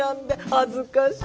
恥ずかしい。